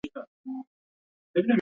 يور د مېړه ويرنداري ته ويل کيږي.